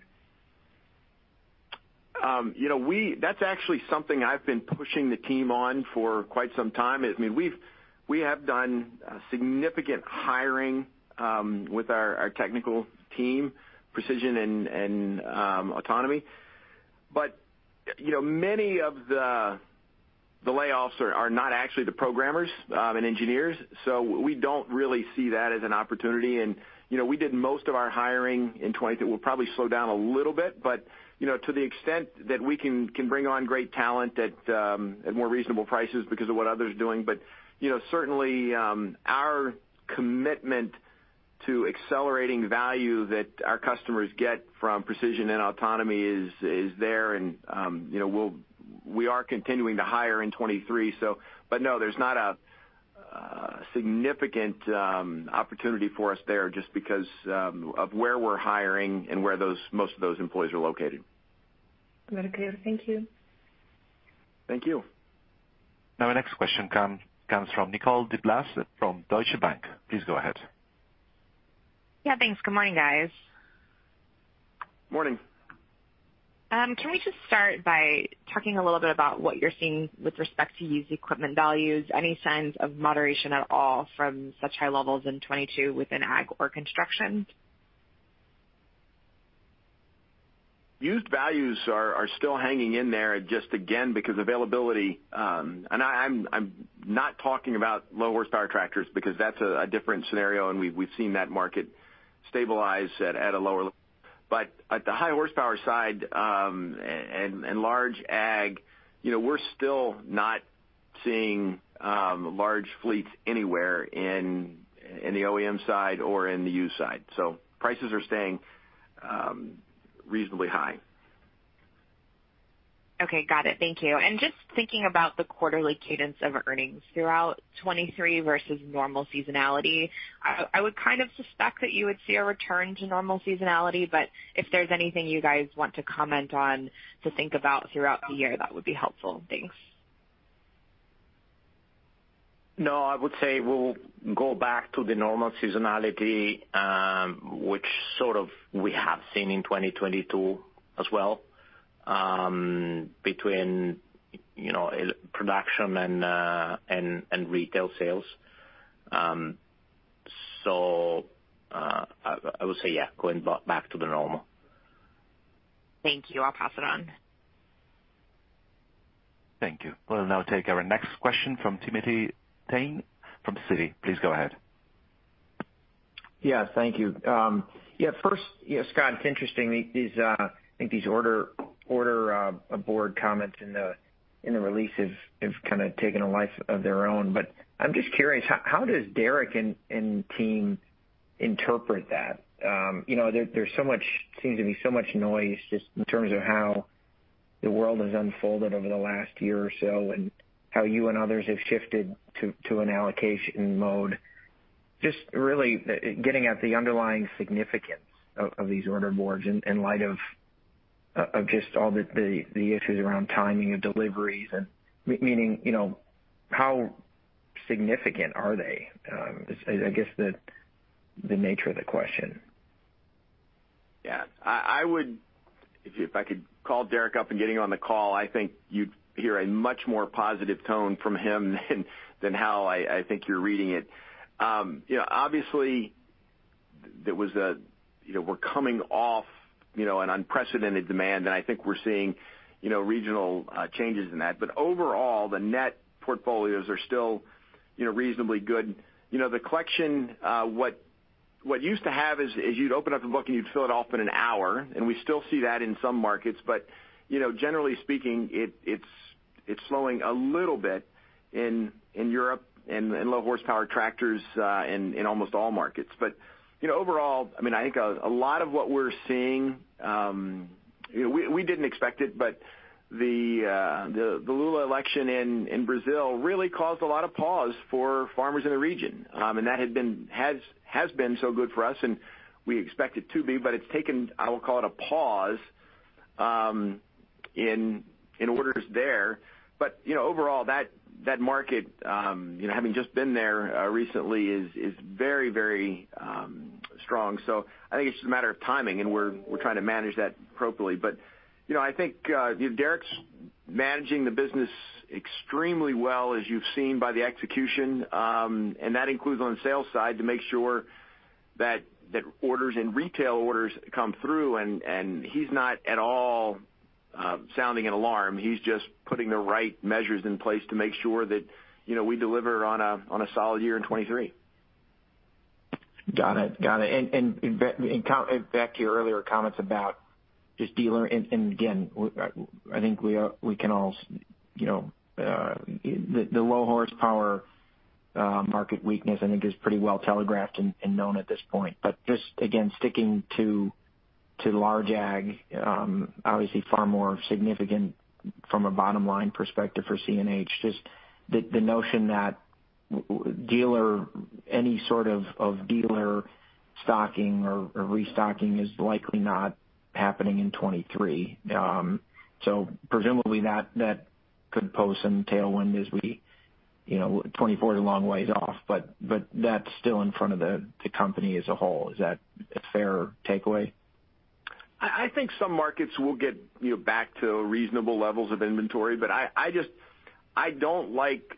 you know, that's actually something I've been pushing the team on for quite some time. I mean, we've, we have done significant hiring with our technical team, precision and autonomy. you know, many of the layoffs are not actually the programmers and engineers, so we don't really see that as an opportunity. you know, we did most of our hiring in we'll probably slow down a little bit, but, you know, to the extent that we can bring on great talent at more reasonable prices because of what others are doing. you know, certainly, our commitment to accelerating value that our customers get from precision and autonomy is there. you know, we are continuing to hire in 2023. But no, there's not a significant opportunity for us there just because of where we're hiring and where those, most of those employees are located. Very clear. Thank you. Thank you. Our next question comes from Nicole DeBlase from Deutsche Bank. Please go ahead. Yeah, thanks. Good morning, guys. Morning. Can we just start by talking a little bit about what you're seeing with respect to used equipment values? Any signs of moderation at all from such high levels in 2022 within ag or construction? Used values are still hanging in there just again because availability. I'm not talking about low horsepower tractors because that's a different scenario, and we've seen that market stabilize at a lower. At the high horsepower side, and large ag, you know, we're still not seeing large fleets anywhere in the OEM side or in the used side, so prices are staying reasonably high. Okay, got it. Thank you. Just thinking about the quarterly cadence of earnings throughout 2023 versus normal seasonality, I would kind of suspect that you would see a return to normal seasonality, but if there's anything you guys want to comment on to think about throughout the year, that would be helpful. Thanks. I would say we'll go back to the normal seasonality, which sort of we have seen in 2022 as well, between, you know, production and retail sales. I would say, yeah, going back to the normal. Thank you. I'll pass it on. Thank you. We'll now take our next question from Timothy Thein from Citi. Please go ahead. Yeah, thank you. first, Scott, it's interesting these, I think these order aboard comments in the release have kind of taken a life of their own. I'm just curious, how does Derek and team interpret that? you know, there's so much, seems to be so much noise just in terms of how the world has unfolded over the last year or so and how you and others have shifted to an allocation mode. Just really getting at the underlying significance of these order boards in light of just all the issues around timing of deliveries and meaning, you know, how significant are they? Is I guess the nature of the question. Yeah. I would if I could call Derek up and get him on the call, I think you'd hear a much more positive tone from him than how I think you're reading it. You know, obviously, that was a, you know, we're coming off, you know, an unprecedented demand, and I think we're seeing, you know, regional changes in that. Overall, the net portfolios are still, you know, reasonably good. You know, the collection, what used to have is you'd open up a book, and you'd fill it off in an hour, and we still see that in some markets. You know, generally speaking, it's, it's slowing a little bit in Europe and in low horsepower tractors in almost all markets. You know, overall, I mean, I think a lot of what we're seeing, you know, we didn't expect it, but the Lula election in Brazil really caused a lot of pause for farmers in the region. That had been, has been so good for us, and we expect it to be, but it's taken, I will call it a pause, in orders there. You know, overall, that market, you know, having just been there recently is very strong. I think it's just a matter of timing, and we're trying to manage that appropriately. You know, I think, Derek's managing the business extremely well, as you've seen by the execution. That includes on the sales side to make sure that orders and retail orders come through. He's not at all, sounding an alarm. He's just putting the right measures in place to make sure that, you know, we deliver on a solid year in 2023. Got it. Got it. In back to your earlier comments about just dealer... I think we can all, you know, the low horsepower market weakness I think is pretty well telegraphed and known at this point. Just again, sticking to large ag, obviously far more significant from a bottom line perspective for CNH. Just the notion that any sort of dealer stocking or restocking is likely not happening in 2023. Presumably that could pose some tailwind as we, you know, 2024 is a long ways off, but that's still in front of the company as a whole. Is that a fair takeaway? I think some markets will get, you know, back to reasonable levels of inventory, but I just don't like.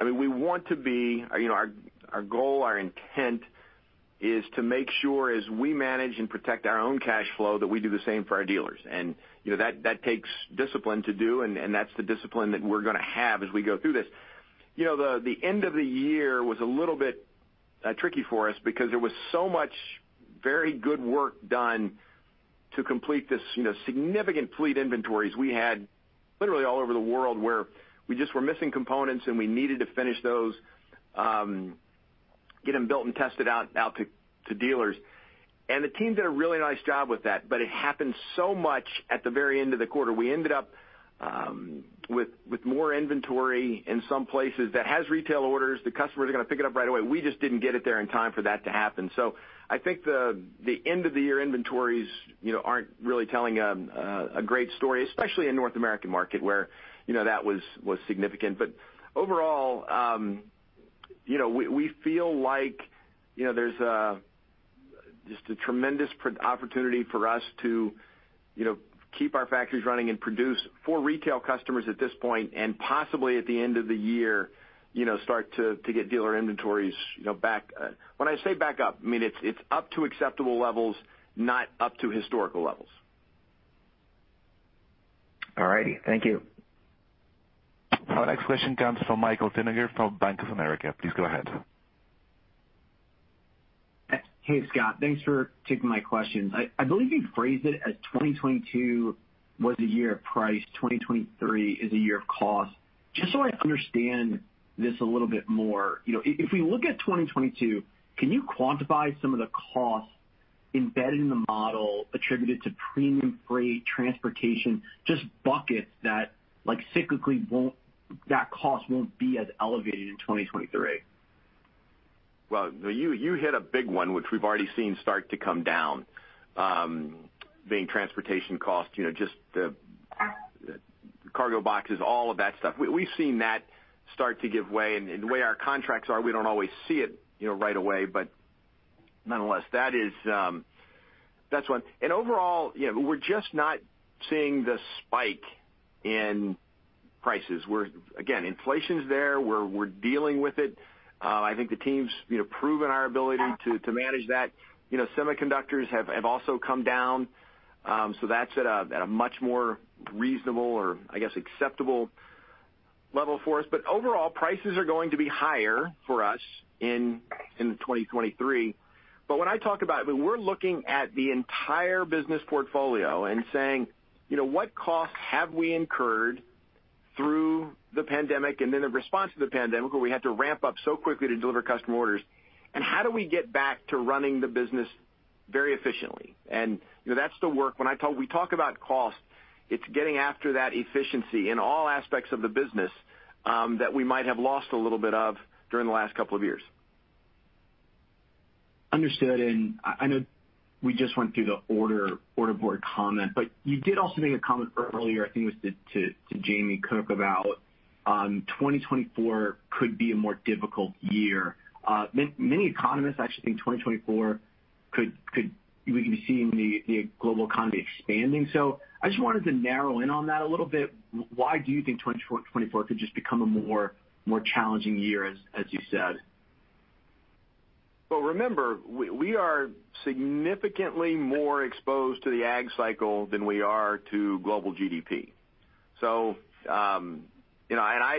I mean, we want to be, you know, our goal, our intent is to make sure as we manage and protect our own cash flow, that we do the same for our dealers. You know, that takes discipline to do, and that's the discipline that we're gonna have as we go through this. You know, the end of the year was a little bit tricky for us because there was so much very good work done to complete this, you know, significant fleet inventories we had literally all over the world, where we just were missing components, and we needed to finish those, get them built and tested out to dealers. The team did a really nice job with that, but it happened so much at the very end of the quarter. We ended up with more inventory in some places that has retail orders. The customers are gonna pick it up right away. We just didn't get it there in time for that to happen. I think the end of the year inventories, you know, aren't really telling a great story, especially in North American market where, you know, that was significant. Overall, you know, we feel like, you know, there's just a tremendous opportunity for us to, you know, keep our factories running and produce for retail customers at this point, and possibly at the end of the year, you know, start to get dealer inventories, you know, back. When I say back up, I mean it's up to acceptable levels, not up to historical levels. All righty. Thank you. Our next question comes from Michael Feniger from Bank of America. Please go ahead. Hey, Scott. Thanks for taking my questions. I believe you phrased it as 2022 was a year of price, 2023 is a year of cost. Just so I understand this a little bit more, you know, if we look at 2022, can you quantify some of the costs embedded in the model attributed to premium freight, transportation, just buckets that, like, cyclically won't be as elevated in 2023? Well, you hit a big one, which we've already seen start to come down, being transportation costs, you know, just the cargo boxes, all of that stuff. We've seen that start to give way. The way our contracts are, we don't always see it, you know, right away. Nonetheless, that is, that's one. Overall, you know, we're just not seeing the spike in prices. Again, inflation's there. We're dealing with it. I think the team's, you know, proven our ability to manage that. You know, semiconductors have also come down. That's at a much more reasonable or, I guess, acceptable level for us. Overall, prices are going to be higher for us in 2023. When I talk about, when we're looking at the entire business portfolio and saying, you know, what costs have we incurred through the pandemic and then the response to the pandemic, where we had to ramp up so quickly to deliver customer orders? How do we get back to running the business very efficiently? You know, that's the work. When we talk about cost, it's getting after that efficiency in all aspects of the business that we might have lost a little bit of during the last couple of years. Understood. I know we just went through the order board comment, but you did also make a comment earlier, I think it was to Jamie Cook, about 2024 could be a more difficult year. Many economists actually think 2024 could We can see in the global economy expanding. I just wanted to narrow in on that a little bit. Why do you think 2024 could just become a more challenging year as you said? Well, remember, we are significantly more exposed to the ag cycle than we are to global GDP. you know,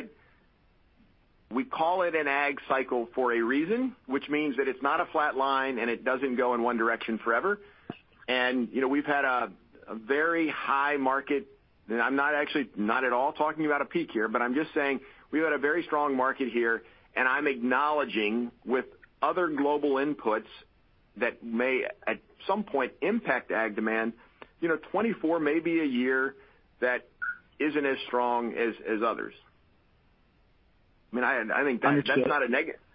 we call it an ag cycle for a reason, which means that it's not a flat line, and it doesn't go in one direction forever. you know, we've had a very high market. I'm not actually not at all talking about a peak here, but I'm just saying we've had a very strong market here, and I'm acknowledging with other global inputs that may at some point impact ag demand. You know, 2024 may be a year that isn't as strong as others. I mean, I think that's. Understood.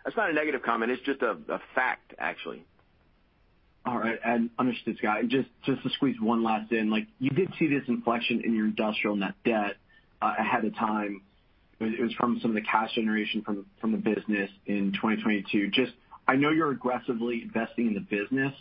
That's not a negative comment. It's just a fact, actually. All right. Understood, Scott. Just to squeeze one last in, like you did see this inflection in your industrial net debt ahead of time. It was from some of the cash generation from the business in 2022. Just I know you're aggressively investing in the business.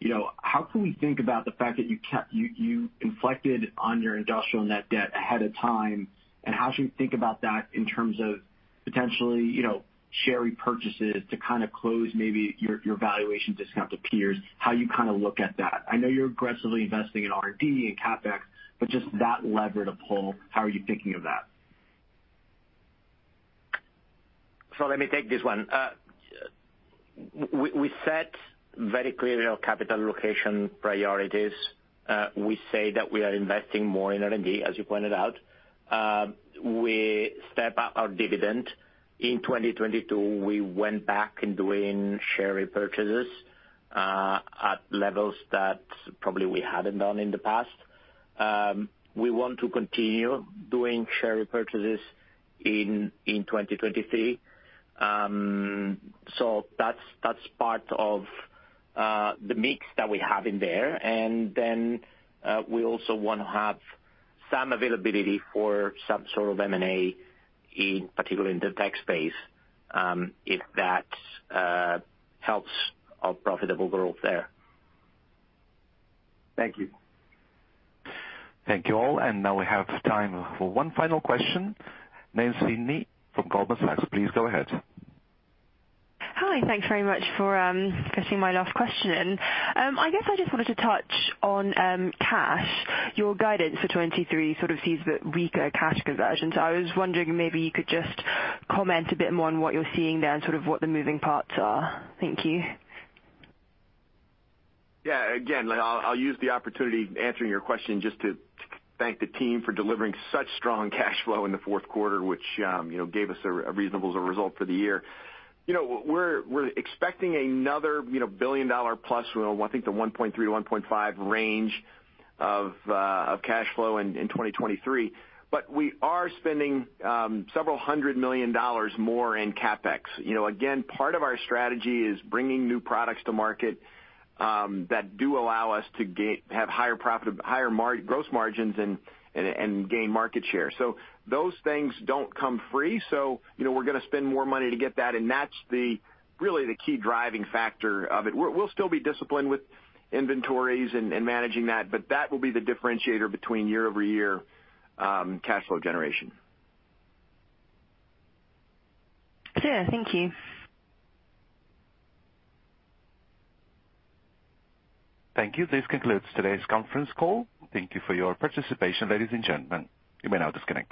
You know, how can we think about the fact that you inflected on your industrial net debt ahead of time, and how should we think about that in terms of potentially, you know, share repurchases to kind of close maybe your valuation discount to peers, how you kind of look at that? I know you're aggressively investing in R&D and CapEx, but just that lever to pull, how are you thinking of that? Let me take this one. We set very clear capital allocation priorities. We say that we are investing more in R&D, as you pointed out. We step up our dividend. In 2022, we went back in doing share repurchases at levels that probably we hadn't done in the past. We want to continue doing share repurchases in 2023. That's part of the mix that we have in there. We also wanna have some availability for some sort of M&A, particularly in the tech space, if that helps our profitable growth there. Thank you. Thank you all. Now we have time for one final question. Jerry Revich from Goldman Sachs, please go ahead. Hi. Thanks very much for fitting my last question in. I guess I just wanted to touch on cash. Your guidance for 2023 sort of sees the weaker cash conversion, I was wondering maybe you could just comment a bit more on what you're seeing there and sort of what the moving parts are. Thank you. Yeah. Again, I'll use the opportunity answering your question just to thank the team for delivering such strong cash flow in the fourth quarter, which, you know, gave us a reasonable as a result for the year. You know, we're expecting another, you know, billion-dollar-plus, I think the $1.3 billion-$1.5 billion range of cash flow in 2023. We are spending several hundred million dollars more in CapEx. You know, again, part of our strategy is bringing new products to market, that do allow us to have higher profit, higher gross margins and gain market share. Those things don't come free, so, you know, we're gonna spend more money to get that, and that's the really the key driving factor of it. We'll still be disciplined with inventories and managing that, but that will be the differentiator between year-over-year cash flow generation. Clear. Thank you. Thank you. This concludes today's conference call. Thank you for your participation, ladies and gentlemen. You may now disconnect.